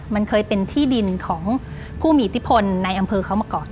มันเคยเป็นที่ดินของผู้มีอิทธิพลในอำเภอเขามาก่อน